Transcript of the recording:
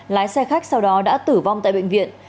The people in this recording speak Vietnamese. lái xe khách sau đó đã tử vong tại bệnh viện